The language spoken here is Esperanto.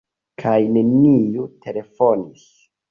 Kaj neniu telefonis.